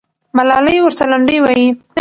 ملالۍ ورته لنډۍ وایي.